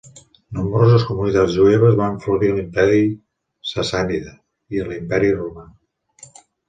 Nombroses comunitats jueves van florir a l'Imperi Sassànida i a l'Imperi Romà.